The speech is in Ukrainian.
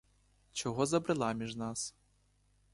Чого забрела між нас?